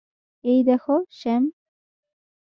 এই দেখো, স্যাম।